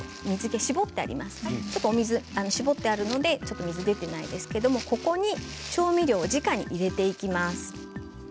水けが絞ってあるので水は出ていないですけど、ここに調味料をじかに入れていきます。